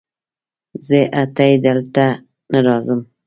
زه اتي دلته نه راځم